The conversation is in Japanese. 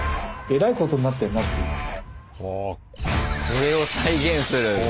これを再現する！